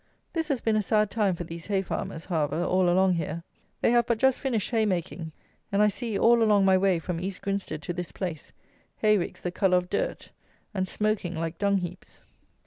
This has been a sad time for these hay farmers, however, all along here. They have but just finished haymaking; and I see, all along my way, from East Grinstead to this place, hay ricks the colour of dirt and smoking like dung heaps.